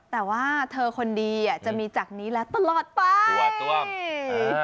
แต่ว่าเธอคนดีอ่ะจะมีจากนี้แล้วตลอดไป